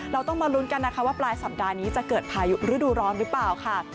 เราต้องมาลุ้นกันนะคะว่าปลายสัปดาห์นี้จะเกิดพายุฤดูร้อนหรือเปล่าค่ะ